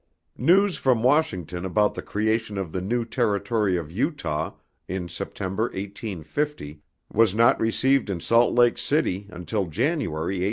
News from Washington about the creation of the new territory of Utah in September 1850 was not received in Salt Lake City until January 1851.